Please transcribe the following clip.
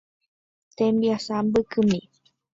Tembiasa mbykymi.